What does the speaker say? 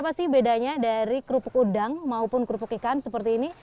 apa sih bedanya dari kerupuk udang maupun kerupuk ikan seperti ini